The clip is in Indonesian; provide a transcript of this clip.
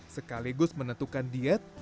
sekaligus menentukan diet